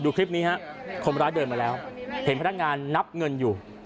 คลิปนี้ฮะคนร้ายเดินมาแล้วเห็นพนักงานนับเงินอยู่